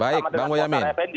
baik bang uyamin